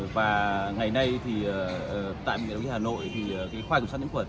và ngày nay thì tại bệnh viện hà nội thì khoa kiểm soát những khuẩn